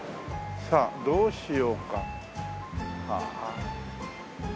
さあどうしようか。はあ。